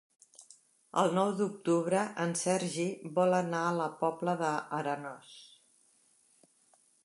El nou d'octubre en Sergi vol anar a la Pobla d'Arenós.